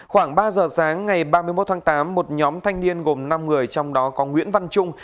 khoảng ba giờ sáng ngày ba mươi một tháng tám một nhóm thanh niên gồm năm người trong đó có nguyễn văn trung